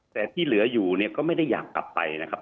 แต่ที่เหลืออยู่เนี่ยก็ไม่ได้อยากกลับไปนะครับ